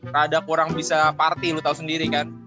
rada kurang bisa party lu tahu sendiri kan